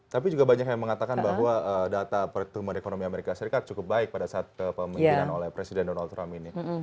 tapi juga banyak yang mengatakan bahwa data pertumbuhan ekonomi amerika serikat cukup baik pada saat kepemimpinan oleh presiden donald trump ini